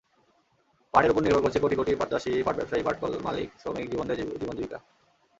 পাটের ওপর নির্ভর করছে কোটি কোটি পাটচাষি, পাট ব্যবসায়ী, পাটকল মালিক-শ্রমিকদের জীবন-জীবিকা।